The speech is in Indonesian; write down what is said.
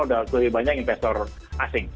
sudah lebih banyak investor asing